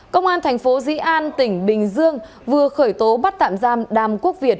công an thành phố dĩ an tỉnh bình dương vừa khởi tố bắt tạm giam đàm quốc việt